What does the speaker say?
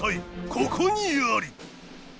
ここにあり！